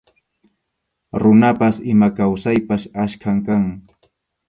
Runapas ima kawsaypas achkam kan.